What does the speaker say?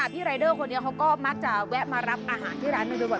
พี่รายเดอร์คนนี้เขาก็มักจะแวะมารับอาหารที่ร้านหนึ่งบ่อย